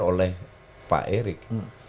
oleh pak erik